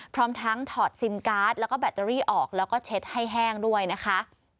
พร้อมทั้งถอดซิมการ์ดแล้วก็แบตเตอรี่ออกแล้วก็เช็ดให้แห้งด้วยนะคะ